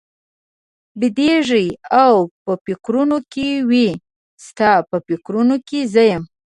بېدېږي او په فکرونو کې وي، ستا په فکرونو کې زه یم؟